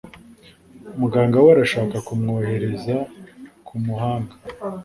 Muganga we arashaka kumwohereza kumuhanga.